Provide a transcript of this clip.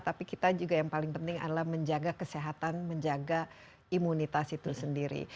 tapi kita juga yang paling penting adalah menjaga kesehatan menjaga imunitas itu sendiri